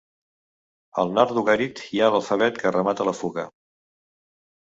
Al nord d'Ugarit hi ha l'alfabet que remata la fuga.